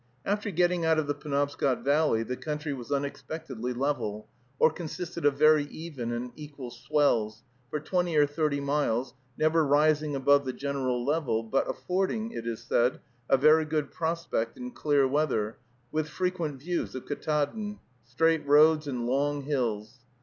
After getting out of the Penobscot valley, the country was unexpectedly level, or consisted of very even and equal swells, for twenty or thirty miles, never rising above the general level, but affording, it is said, a very good prospect in clear weather, with frequent views of Ktaadn, straight roads and long hills.